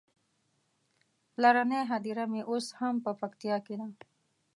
پلرنۍ هديره مې اوس هم په پکتيکا کې ده.